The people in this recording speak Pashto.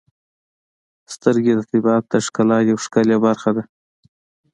• سترګې د طبیعت د ښکلا یو ښکلی برخه ده.